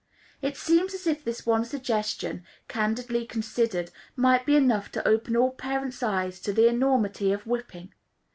It seems as if this one suggestion, candidly considered, might be enough to open all parents' eyes to the enormity of whipping.